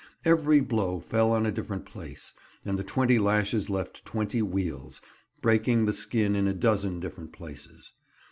Every blow fell on a different place, and the twenty lashes left twenty wheals, breaking the skin in a dozen different places.